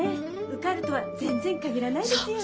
受かるとは全然限らないですよねえ。